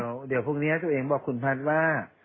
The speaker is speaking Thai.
เดี๋ยวพรุ่งนี้ตัวเองบอกคุณแพทย์ว่า